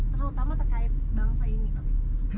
terutama terkait bangsa ini pak